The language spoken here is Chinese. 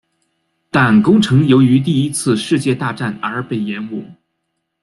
但工程由于第一次世界大战而被延误。